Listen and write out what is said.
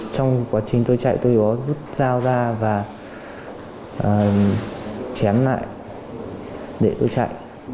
trong quá trình tôi chạy tôi có rút dao ra và chém lại để tôi chạy